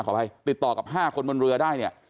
ขออภัยติดต่อกับ๕คนบนเรือได้เนี่ย